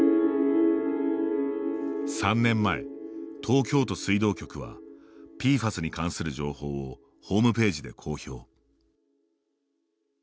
３年前、東京都水道局はＰＦＡＳに関する情報をホームページで公表。